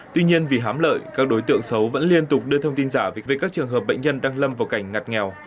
tuy nhiên vì hám lợi các đối tượng xấu vẫn liên tục đưa thông tin giả về các trường hợp bệnh nhân đang lâm vào cảnh ngặt nghèo